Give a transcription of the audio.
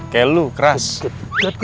kalau maj sed laughs berani bridge